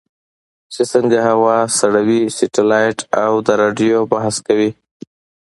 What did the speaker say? چې څنګه هوا سړوي سټلایټ او د رادیو بحث کوي.